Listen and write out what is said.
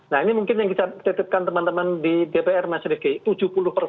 nah ini mungkin yang kita titipkan teman teman di dpr mas rifki